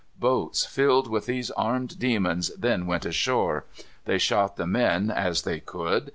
Boats filled with these armed demons then went ashore. They shot the men, as they could.